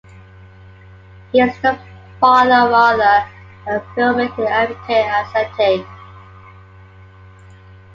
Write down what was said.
He is the father of author and filmmaker M. K. Asante.